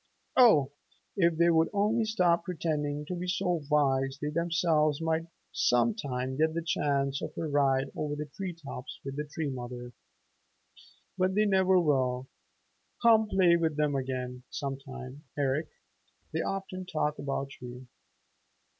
Oh, if they would only stop pretending to be so wise they themselves might some time get the chance of a ride over the tree tops with Tree Mother. But they never will. Come play with them again sometime, Eric. They often talk about you."